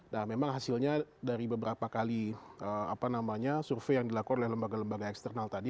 nah memang hasilnya dari beberapa kali survei yang dilakukan oleh lembaga lembaga eksternal tadi